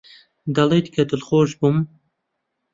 دەڵێت کە دڵخۆش بووم.